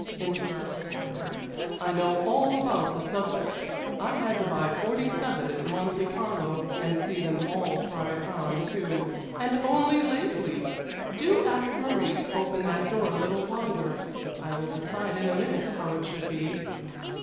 interrupted Hector. "I know all about the subject. I had to buy forty seven at Monte Carlo, and see them all tried on, too and only lately! Do ask Marie to open that door a little wider; I will decide in a minute how it should be."